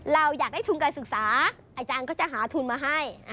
เราอยากได้ทุนการศึกษาอาจารย์ก็จะหาทุนมาให้